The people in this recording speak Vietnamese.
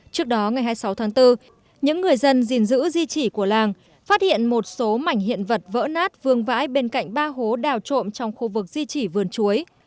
trước đó ngày hai mươi sáu tháng bốn những người dân gìn giữ di trì của làng phát hiện một số mảnh hiện vật vỡ nát vương vãi bên cạnh ba hố đào trộm trong khu vực di trì vườn chuối